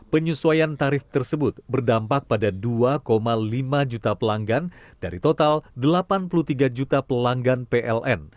penyesuaian tarif tersebut berdampak pada dua lima juta pelanggan dari total delapan puluh tiga juta pelanggan pln